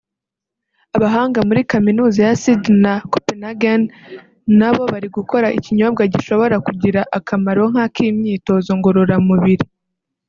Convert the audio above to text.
Abahanga muri Kaminuza ya Sydney na Copenhagen nabo bari gukora ikinyobwa gishobora kugira akamaro nk’ak’imyitozo ngororamubiri